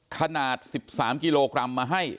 ขนาด๑๓กิโลกรัมมาให้